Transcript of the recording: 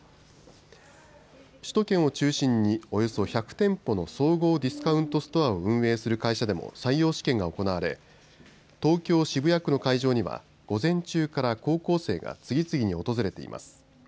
首都圏を中心におよそ１００店舗の総合ディスカウントストアを運営する会社でも採用試験が行われ東京渋谷区の会場には午前中から高校生が次々に訪れています。